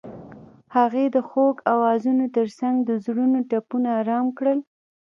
هغې د خوږ اوازونو ترڅنګ د زړونو ټپونه آرام کړل.